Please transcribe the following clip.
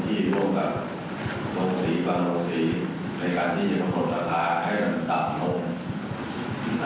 ถึงที่การทุกเมืองกันตะวัน